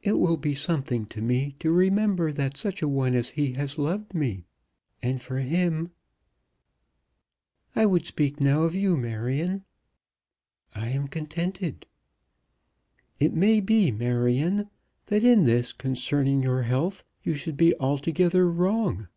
It will be something to me to remember that such a one as he has loved me. And for him " "I would speak now of you, Marion." "I am contented." "It may be, Marion, that in this concerning your health you should be altogether wrong."